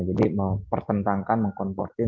jadi mempertentangkan meng confortin